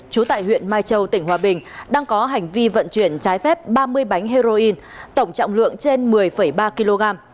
trú tại huyện mai châu tỉnh hòa bình đang có hành vi vận chuyển trái phép ba mươi bánh heroin tổng trọng lượng trên một mươi ba kg